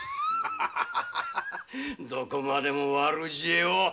どこまで悪知恵を。